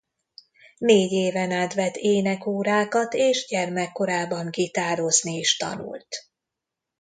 Négy éven át vett énekórákat és gyermekkorában gitározni is tanult.